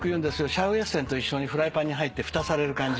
シャウエッセンと一緒にフライパンに入ってふたされる感じ。